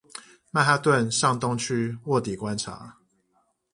曼哈頓上東區臥底觀察